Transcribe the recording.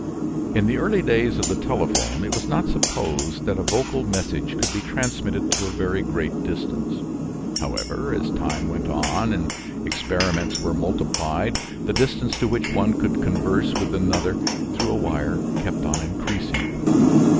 In the early days of the telephone it was not supposed that a vocal message could be transmitted to a very great distance. However, as time went on and experiments were multiplied the distance to which one could converse with another through a wire kept on increasing.